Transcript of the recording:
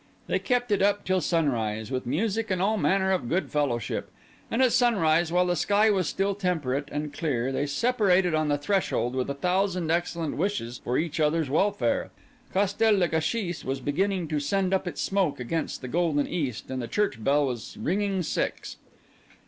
They kept it up till sunrise with music and all manner of good fellowship; and at sunrise, while the sky was still temperate and clear, they separated on the threshold with a thousand excellent wishes for each other's welfare. Castel le Gâchis was beginning to send up its smoke against the golden East; and the church bell was ringing six.